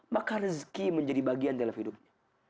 maka rezeki menjadi bagian dalam hidupnya